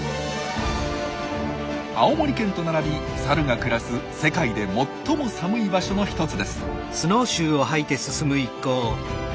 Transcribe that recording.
青森県と並びサルが暮らす世界で最も寒い場所の一つです。